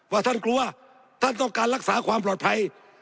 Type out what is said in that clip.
ว่าท่านกลัวท่านต้องการรักษาความปลอดภัย